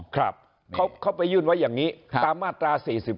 ครับเขาไปยื่นไว้อย่างนี้ตามมาตรา๔๔